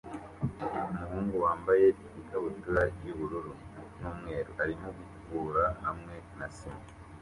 Umuhungu wambaye ikabutura yubururu n'umweru arimo gukubura hamwe na sima